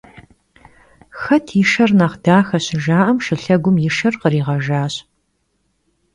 «Xet yi şher nexh daxe?» şıjja'em, şşılhegum yi şher khriğejjaş.